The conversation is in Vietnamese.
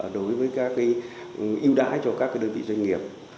đối với các cái ưu đãi cho các cái đơn vị doanh nghiệp